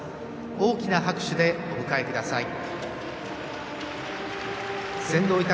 大きな拍手でお迎えください。